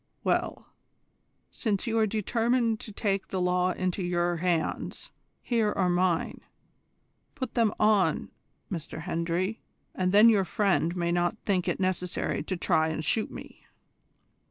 Well, since you are determined to take the law into your hands here are mine. Put them on M. Hendry, and then your friend may not think it necessary to try and shoot me."